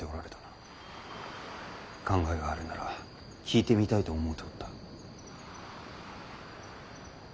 考えがあるなら聞いてみたいと思うておった。